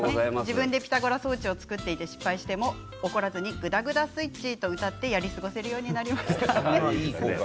自分で作って失敗しても怒らずにグダグダスイッチと歌ってやり過ごせるようになりました。